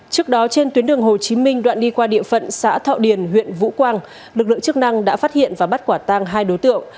trước đó trên tuyến đường hồ chí minh đoạn đi qua địa phận xã thọ điền huyện vũ quang lực lượng chức năng đã phát hiện và bắt quả tang hai đối tượng